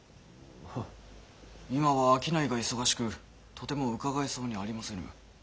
今は商いが忙しくとても伺えそうにありませぬ。